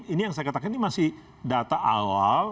ini yang saya katakan ini masih data awal